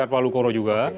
sesar palukoro juga